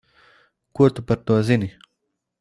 Ko tu par to zini?